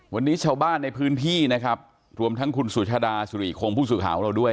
วันนี้ชาวบ้านในพื้นที่นะครับรวมทั้งคุณสุชาดาสุริคงผู้สื่อข่าวของเราด้วย